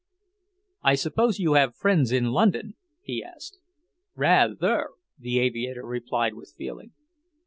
"I suppose you have friends in London?" he asked. "Rather!" the aviator replied with feeling.